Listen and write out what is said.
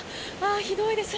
ひどいです。